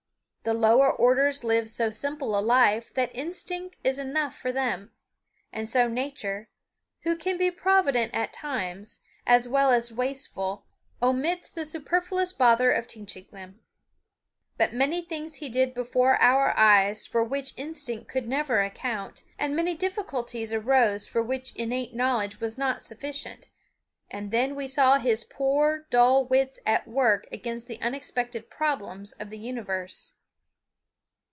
The lower orders live so simple a life that instinct is enough for them; and so Nature, who can be provident at times, as well as wasteful, omits the superfluous bother of teaching them. But many things he did before our eyes for which instinct could never account, and many difficulties arose for which innate knowledge was not sufficient; and then we saw his poor dull wits at work against the unexpected problems of the universe.